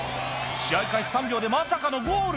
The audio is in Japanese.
試合開始３秒でまさかのゴール